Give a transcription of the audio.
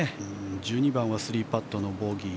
１２番は３パットのボギー。